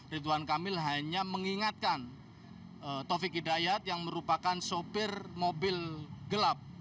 ridwan kamil hanya mengingatkan taufik hidayat yang merupakan sopir mobil gelap